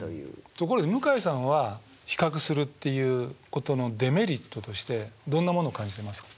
ところで向井さんは比較するっていうことのデメリットとしてどんなものを感じてますか？